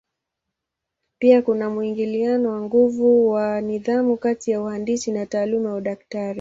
Pia kuna mwingiliano wa nguvu wa nidhamu kati ya uhandisi na taaluma ya udaktari.